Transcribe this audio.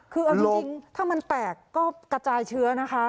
คือเอาจริงถ้ามันแตกก็กระจายเชื้อนะคะ